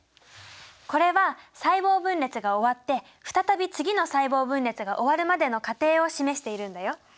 これは細胞分裂が終わって再び次の細胞分裂が終わるまでの過程を示しているんだよ。